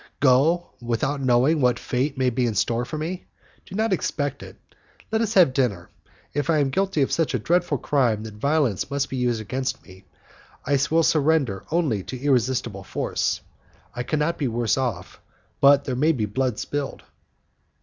Go without knowing what fate may be in store for me? Do not expect it. Let us have dinner. If I am guilty of such a dreadful crime that violence must be used against me, I will surrender only to irresistible force. I cannot be worse off, but there may be blood spilled."